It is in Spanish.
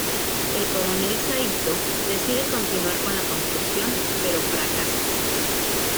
El coronel Saito decide continuar con la construcción, pero fracasa.